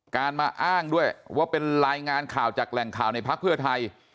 การมาอ้างด้วยว่าเป็นรายงานข่าวจากแหล่งข่าวในพักเพื่อไทย